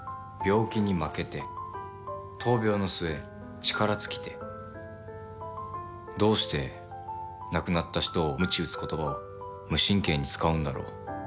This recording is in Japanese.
「病気に負けて」「闘病の末力尽きて」どうして亡くなった人をむち打つ言葉を無神経に使うんだろう。